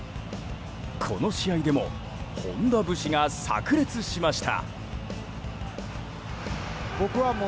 この試合でも本田節が炸裂しました。